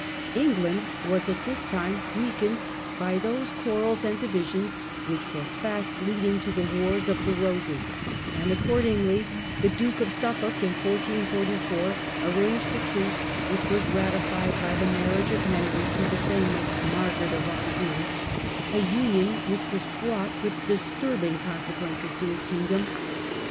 Peace party England was at this time weakened by those quarrels m England ^^^ divisions which were fast leading to the Wars of the Eoses ; and accordingly the Duke of Suffolk in 1444 negotiated a truce, which was ratified by the mar riage of Henry to the famous Margaret of Anjou, a HISTORY OF FRANCE, 1380 1453 223 union which was fraught with disturbing consequences to his Kingdom.